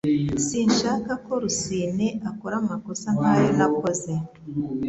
Sinshaka ko Rusine akora amakosa nkayo nakoze